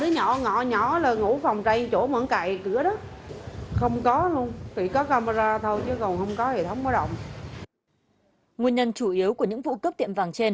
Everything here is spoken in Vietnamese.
nguyên nhân chủ yếu của những vụ cướp tiệm vàng trên